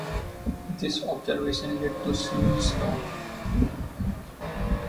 This observation led to Smeed's Law.